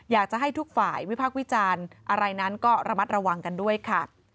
อยากจะให้ทุกฝ่ายวิพักษ์วิจารณ์อะไรนั้นก็ระมัดระวังกันด้วยค่ะ